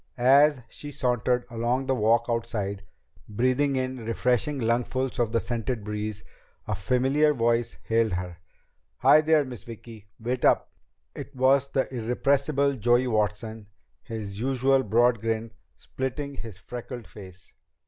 As she sauntered along the walk outside, breathing in refreshing lungfuls of the scented breeze, a familiar voice hailed her: "Hi there, Miss Vicki! Wait up!" It was the irrepressible Joey Watson, his usual broad grin splitting his freckled face.